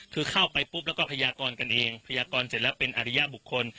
คือเข้าไปปุ๊บแล้วก็พยากรกันเองพยากรเสร็จแล้วเป็นอริยบุคคล